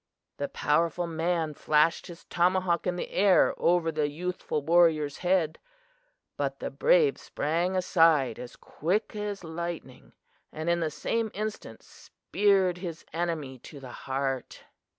"The powerful man flashed his tomahawk in the air over the youthful warrior's head, but the brave sprang aside as quick as lightning, and in the same instant speared his enemy to the heart.